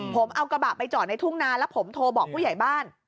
ผมเอากระบะไปจอดในทุ่งนาแล้วผมโทรบอกผู้ใหญ่บ้าน